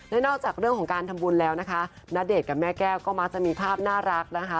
และนอกจากเรื่องของการทำบุญแล้วนะคะณเดชน์กับแม่แก้วก็มักจะมีภาพน่ารักนะคะ